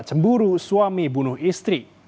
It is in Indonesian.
cemburu suami bunuh istri